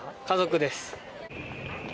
家族です